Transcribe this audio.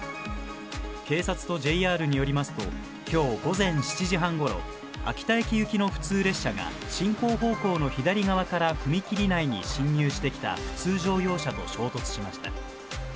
警察とＪＲによりますと、きょう午前７時半ごろ、秋田駅行きの普通列車が、進行方向の左側から踏切内に進入してきた普通乗用車と衝突しました。